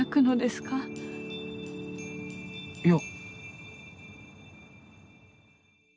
いや。